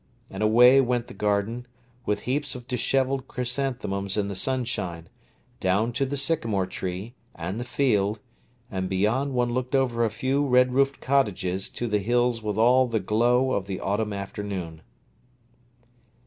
And away went the garden, with heaps of dishevelled chrysanthemums in the sunshine, down to the sycamore tree, and the field, and beyond one looked over a few red roofed cottages to the hills with all the glow of the autumn afternoon.